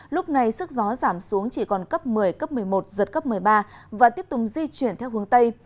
lúc này sức gió giảm xuống chỉ còn cấp một mươi cấp một mươi một giật cấp một mươi ba và tiếp tục di chuyển theo hướng tây